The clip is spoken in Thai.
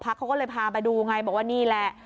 เขาก็เลยพาไปดูไงบอกว่านี่แหละ